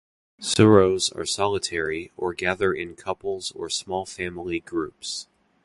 Serows are solitary, or gather in couples or small family groups.